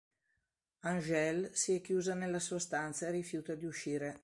Angèle si è chiusa nella sua stanza e rifiuta di uscire.